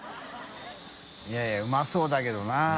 い笋いうまそうだけどな。